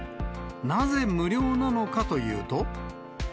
なぜ無料なのかというと。